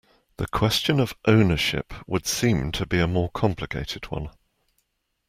The question of ownership would seem to be a more complicated one.